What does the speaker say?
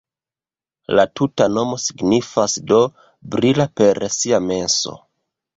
La tuta nomo signifas do: brila per sia menso.